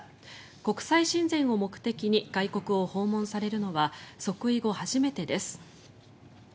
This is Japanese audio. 国際親善を目的に外国を訪問されるのは即位後初めてです。